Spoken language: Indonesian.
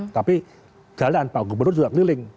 tapi jalan pak gubernur juga keliling